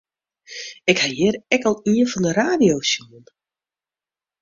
Ik ha hjir ek al ien fan de radio sjoen.